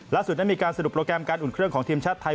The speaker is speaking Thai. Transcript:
ล่าสุดนั้นมีการสรุปโปรแกรมการอุ่นเครื่องของทีมชัดไทย